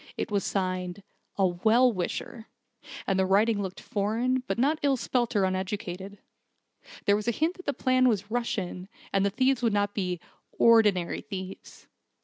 It was signed 'A Well Wisher', and the writing looked foreign, but not ill spelt or uneducated. There was a hint that the plan was Russian, and the thieves would not be 'ordinary thieves.'